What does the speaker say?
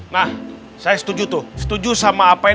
nah saya setuju tuh setuju sama apa yang